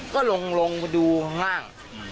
ก็ลงไปดูข้างล่าง